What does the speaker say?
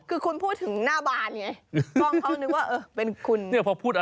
คือคุณพูดถึงหน้าบานไงกล้องเขานึกว่าเป็นคุณ